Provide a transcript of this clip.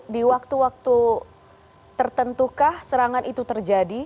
di waktu waktu tertentukah serangan itu terjadi